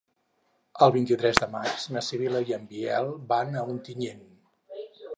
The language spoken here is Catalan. El vint-i-tres de maig na Sibil·la i en Biel van a Ontinyent.